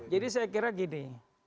jadi saya kira gini